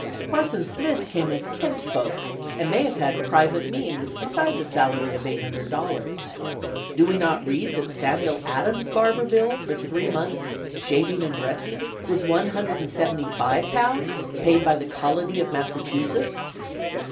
Parson Smith came of "kent folk," and may have had private means beside the salary of eight hundred dollars. Do we not read that Samuel Adams' barber's bill "for three months, shaving and dressing," was £175, paid by the Colony of Massachusetts?